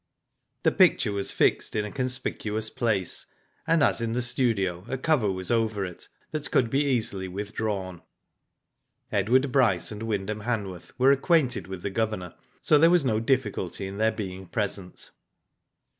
The picture was fixed in a conspicuous place, and as in the studio a cover was over it that could be easily withdrawn. Edward Bryce and Wyndham Hanworth were acquainted with the Governor, so there was no difficulty in their being present.